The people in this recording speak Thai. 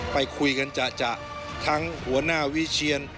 ไปคุยกันจะทั้งหัวหน้าวิเชียน